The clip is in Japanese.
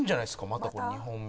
また２本目。